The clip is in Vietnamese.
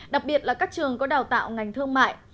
đặc biệt là các trường có đào tạo ngành thương mại